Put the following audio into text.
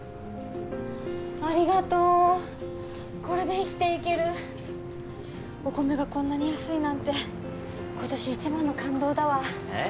ありがとうこれで生きていけるお米がこんなに安いなんて今年一番の感動だわえっ？